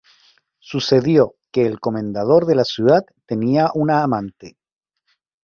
Sucedió que el comendador de la ciudad tenía una amante.